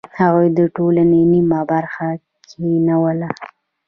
هغوی د ټولنې نیمه برخه کینوله.